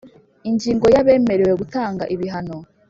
Ingingo ya Abemerewe gutanga ibihano